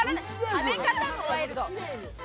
食べ方もワイルド。